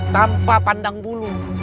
tanpa pandang bulu